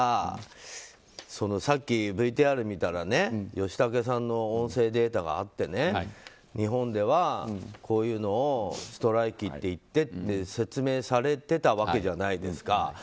さっきＶＴＲ見たら義剛さんの音声データがあって日本ではこういうのをストライキっていってって説明されてたわけじゃないですか。